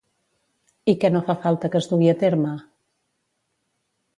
I què no fa falta que es dugui a terme?